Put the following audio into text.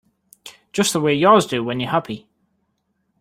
Just the way yours do when you're happy.